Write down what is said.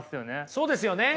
そうですよね。